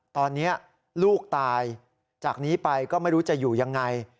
ตอนนี้ลูกตายจากนี้ไปก็ไม่รู้จะอยู่ยังไง